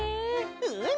うん！